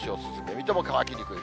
水戸も乾きにくい。